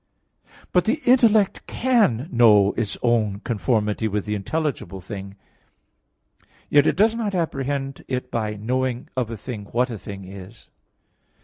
But the intellect can know its own conformity with the intelligible thing; yet it does not apprehend it by knowing of a thing "what a thing is."